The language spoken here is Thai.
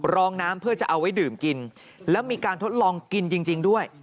รองน้ำเพื่อจะเอาไว้ดื่มกินแล้วมีการทดลองกินจริงด้วย